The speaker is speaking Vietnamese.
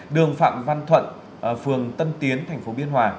đường phạm văn thuận phường tân tiến tp biên hòa